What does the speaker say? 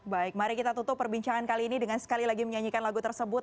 baik mari kita tutup perbincangan kali ini dengan sekali lagi menyanyikan lagu tersebut